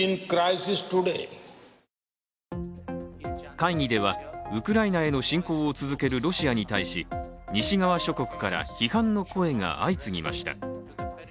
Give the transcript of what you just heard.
会議では、ウクライナへの侵攻を続けるロシアに対し西側諸国から批判の声が相次ぎました。